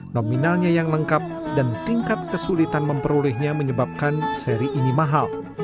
nominalnya yang lengkap dan tingkat kesulitan memperolehnya menyebabkan seri ini mahal